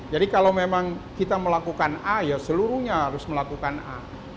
jadi kalau memang kita melakukan a ya seluruhnya harus melakukan a